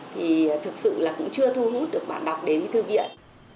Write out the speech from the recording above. thì thực sự cũng chưa thu hút được bạn đọc đến với thư viện